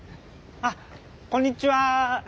あっこんにちは。